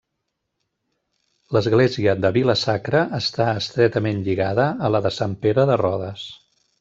L'església de Vila-sacra està estretament lligada a la de Sant Pere de Rodes.